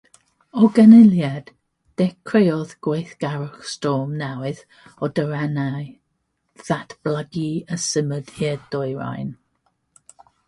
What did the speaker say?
O ganlyniad, dechreuodd gweithgarwch storm newydd o daranau ddatblygu a symud i'r dwyrain.